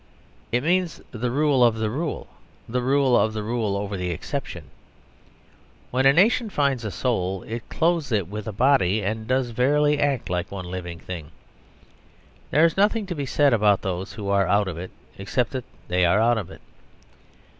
It means the rule of the rule the rule of the rule over the exception. When a nation finds a soul it clothes it with a body, and does verily act like one living thing. There is nothing to be said about those who are out of it, except that they are out of it.